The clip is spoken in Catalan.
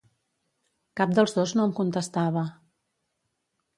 Cap dels dos no em contestava.